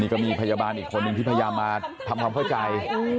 ก็มีพยาบาลอีกคนหนึ่งที่พยายามมาทำความเข้าใจ